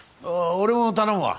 俺も頼むわ。